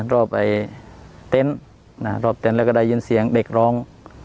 รอบเต็นต์รอบเต็นต์แล้วก็ได้ยินเสียงเด็กร้อง